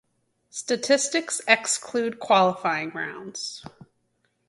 Statistics exclude qualifying rounds.